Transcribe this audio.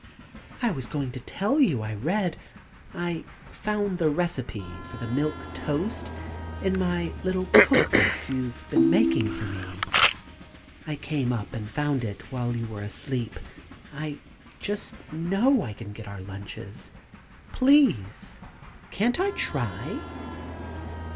I was going to tell you I read I found the recipe for the Milk Toast in my little cook book you've been making for me. I came up and found it while you were asleep I just know I can get our lunches. Please, Mother, can't I try?"